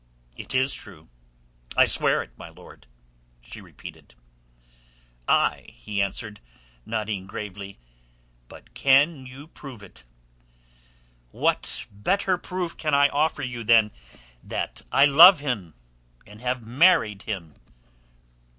"It is true. I swear it, my lord," she repeated. "Ay," he answered, nodding gravely. "But can you prove it?" "What better proof can I offer you than that I love him, and have married him?"